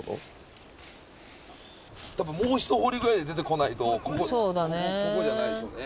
もう一掘りぐらいで出てこないとここじゃないですよね。